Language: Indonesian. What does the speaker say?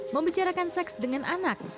membicarakan seks dengan anak